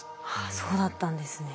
そうだったんですね。